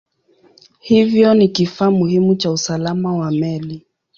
Hivyo ni kifaa muhimu cha usalama wa meli.